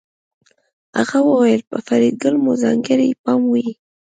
هغه وویل په فریدګل مو ځانګړی پام وي